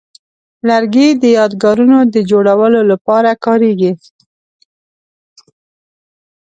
لرګی د یادګارونو د جوړولو لپاره کاریږي.